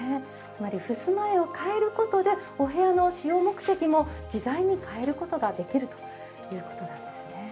つまり襖絵を変えることでお部屋の使用目的も自在に変えることができるということなんですね。